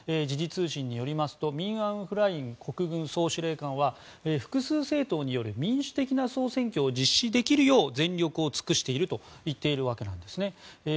時事通信によりますとミン・アウン・フライン国軍総司令官は複数政党による民主的な総選挙を実施できるよう全力を尽くしていると言っているわけなんですね。